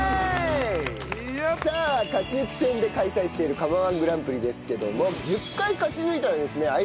さあ勝ち抜き戦で開催している釜−１グランプリですけども１０回勝ち抜いたらですね